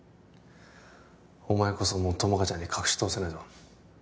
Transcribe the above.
お前こそもう友果ちゃんに隠しとおせないだろ